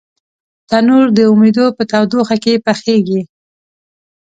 تنور د امیدو په تودوخه کې پخېږي